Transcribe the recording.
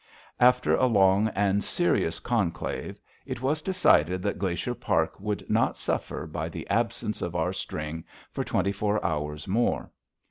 After a long and serious conclave, it was decided that Glacier Park would not suffer by the absence of our string for twenty four hours more.